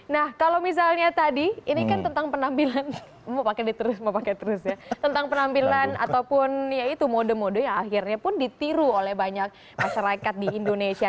nah kalau misalnya tadi ini kan tentang penampilan mau pakai terus ya tentang penampilan ataupun ya itu mode mode yang akhirnya pun ditiru oleh banyak masyarakat di indonesia